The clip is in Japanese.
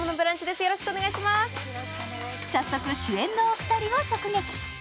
早速、主演のお二人を直撃。